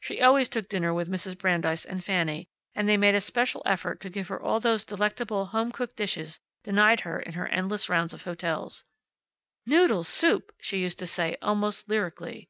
She always took dinner with Mrs. Brandeis and Fanny, and they made a special effort to give her all those delectable home cooked dishes denied her in her endless round of hotels. "Noodle soup!" she used to say, almost lyrically.